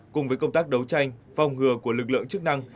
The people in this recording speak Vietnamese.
cùng với công tác đấu tranh phòng ngừa của lực lượng chức năng